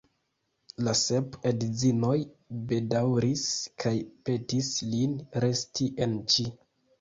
La sep edzinoj bedaŭris kaj petis lin resti en Ĉi.